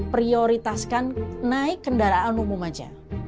prioritaskan naik kendaraan umum aja